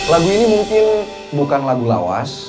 lagu ini mungkin bukan lagu lawas